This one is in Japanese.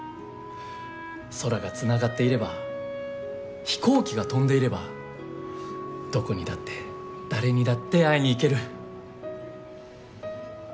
空が繋がっていれば飛行機が飛んでいればどこにだって誰にだって会いに行ける。